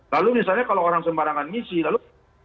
lalu misalnya kalau orang sembarangan ngisi lalu